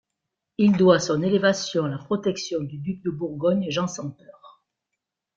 Il doit son élévation à la protection du duc de Bourgogne Jean sans Peur.